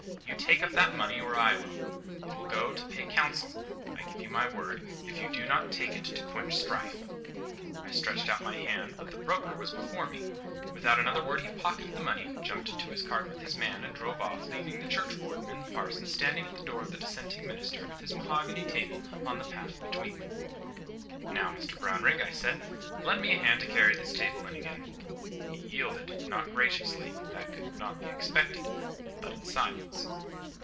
You take up that money, or I will. It will go to pay counsel, I give you my word, if you do not take it to quench strife." I stretched out my hand. But the broker was before me. Without another word, he pocketed the money, jumped into his cart with his man, and drove off, leaving the churchwarden and the parson standing at the door of the dissenting minister with his mahogany table on the path between them. "Now, Mr Brownrigg," I said, "lend me a hand to carry this table in again." He yielded, not graciously,—that could not be expected,—but in silence.